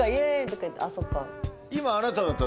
そっか。